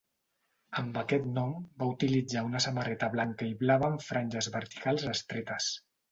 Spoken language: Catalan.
Amb aquest nom, va utilitzar una samarreta blanca i blava amb franges verticals estretes.